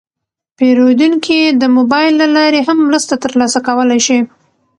پیرودونکي د موبایل له لارې هم مرسته ترلاسه کولی شي.